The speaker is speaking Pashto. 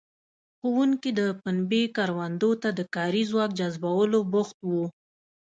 ښوونکي د پنبې کروندو ته د کاري ځواک جذبولو بوخت وو.